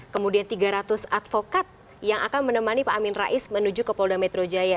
kemudian tiga ratus advokat yang akan menemani pak amin rais menuju ke polda metro jaya